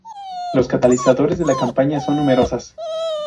Los catalizadores de la campaña son numerosas.